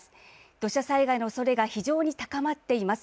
土砂災害のおそれが非常に高まっています。